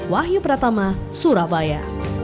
wahyu pratama surabaya